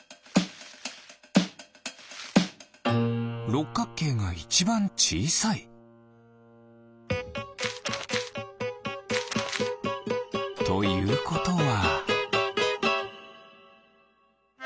ろっかくけいがいちばんちいさい。ということは。